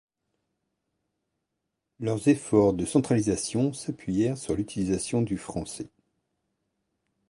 Leurs efforts de centralisation s'appuyèrent sur l'utilisation du français.